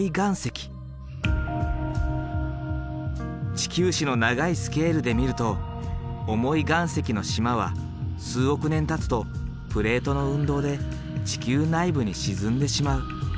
地球史の長いスケールで見ると重い岩石の島は数億年たつとプレートの運動で地球内部に沈んでしまう。